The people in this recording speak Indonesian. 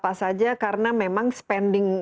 apa saja karena memang spending